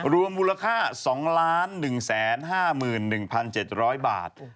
รวมมูลค่า๒๑๕๑๗๐๐บาท